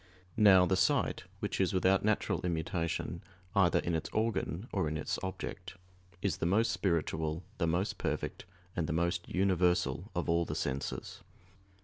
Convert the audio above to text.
Now, the sight, which is without natural immutation either in its organ or in its object, is the most spiritual, the most perfect, and the most universal of all the senses.